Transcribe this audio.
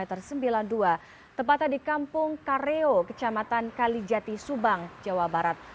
tempatnya di kampung kareo kecamatan kalijati subang jawa barat